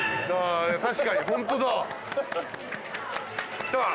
確かにホントだわ。